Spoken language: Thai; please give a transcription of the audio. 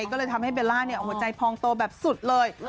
ก็เลยทำให้เบลล่าหัวใจพองโตแบบสุดเลย